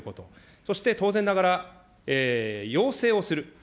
そして当然ながら、要請をする。